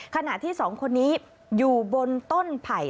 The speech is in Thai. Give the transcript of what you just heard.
ขณะที่สองคนนี้อยู่บนต้นไผ่